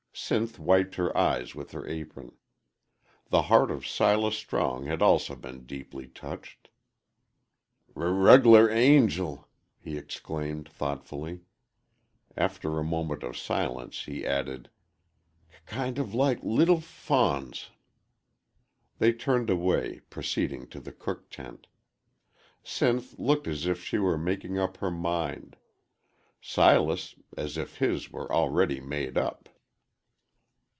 Sinth wiped her eyes with her apron. The heart of Silas Strong had also been deeply touched. "R reg'lar angel!" he exclaimed, thoughtfully. After a moment of silence he added, "K kind o' like leetle f fawns." They turned away, proceeding to the cook tent. Sinth looked as if she were making up her mind; Silas as if his were already made up.